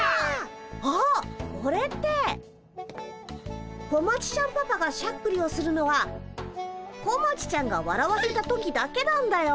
あっこれって小町ちゃんパパがしゃっくりをするのは小町ちゃんがわらわせた時だけなんだよ。